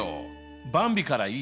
ばんびからいい？